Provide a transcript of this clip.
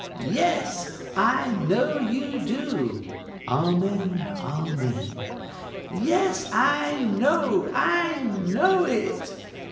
Yes! I know you do (amen! amen!) Yes, I know, I know it.